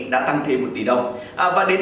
đã tăng thêm một tỷ đồng và đến